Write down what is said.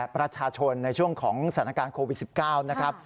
ประชาชนในช่วงของสถานการณ์โควิด๑๙นะครับ